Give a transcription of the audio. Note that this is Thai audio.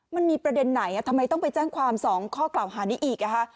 มันมีประเด็นไหนทำไมต้องไปแจ้งความ๒ข้อกล่าวหานี้อีก